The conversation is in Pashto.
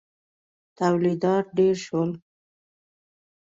تولیدات ډېر شول.